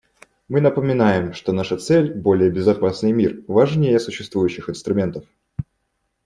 Мы напоминаем, что наша цель − более безопасный мир − важнее существующих инструментов.